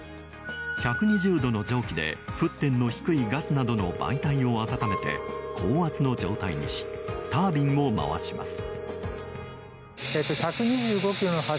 １２０度の蒸気で沸点の低いガスなどの媒体を温めて、高圧の状態にしタービンを回します。